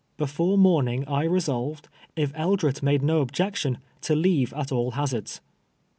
Before morning I resolved, if Eldret made no objection, to leave at all hazards.